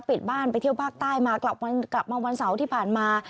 ปิดบ้านไปเที่ยวภาคใต้มากลับมาวันเสาร์ที่ผ่านมา